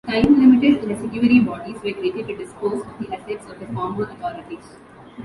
Time-limited residuary bodies were created to dispose of the assets of the former authorities.